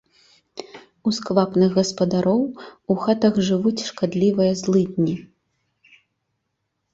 У сквапных гаспадароў у хатах жывуць шкадлівыя злыдні.